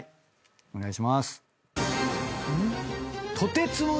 お願いします。